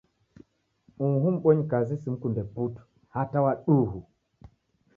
Uhu mbonyikazi simkunde putu, hata wa duhu!